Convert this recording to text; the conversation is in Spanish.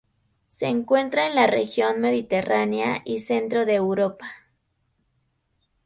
Se encuentra en la región mediterránea y centro de Europa.